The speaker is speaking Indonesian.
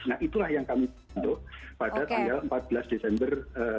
nah itulah yang kami bentuk pada tanggal empat belas desember dua ribu dua puluh